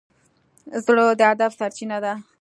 زړه د ادب سرچینه ده.